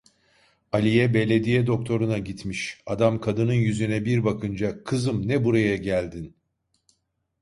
Aliye, Belediye doktoruna gitmiş, adam kadının yüzüne bir bakınca: "Kızım, ne buraya geldin?"